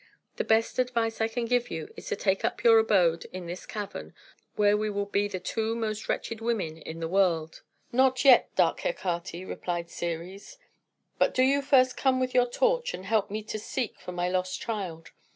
The best advice I can give you is to take up your abode in this cavern, where we will be the two most wretched women in the world." "Not yet, dark Hecate," replied Ceres. "But do you first come with your torch, and help me to seek for my lost child.